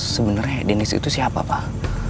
sebenernya denny itu siapa pak